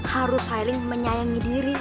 harus sayang menyayangi diri